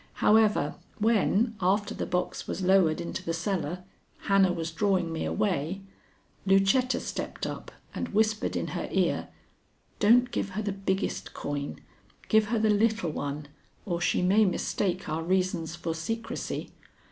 However, when, after the box was lowered into the cellar, Hannah was drawing me away, Lucetta stepped up and whispered in her ear: 'Don't give her the biggest coin. Give her the little one, or she may mistake our reasons for secrecy.